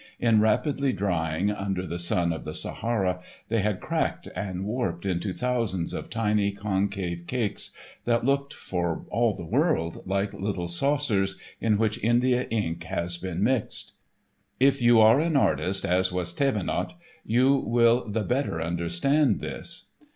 In rapidly drying under the sun of the Sahara, they had cracked and warped into thousands of tiny concave cakes that looked, for all the world, like little saucers in which Indian ink has been mixed. (If you are an artist, as was Thévenot, you will the better understand this.)